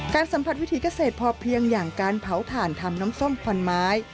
สัมผัสวิถีเกษตรพอเพียงอย่างการเผาถ่านทำน้ำส้มควันไม้